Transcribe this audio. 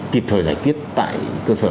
kịp thời giải quyết tại cơ sở